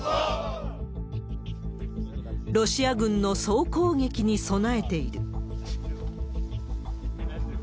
ロシア軍の総攻撃に備えている。